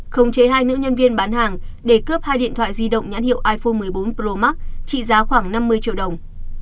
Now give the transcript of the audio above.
khống chế hai nữ nhân viên bán hàng để cướp hai điện thoại di động nhãn hiệu iphone một mươi bốn pro max trị giá khoảng năm mươi triệu đồng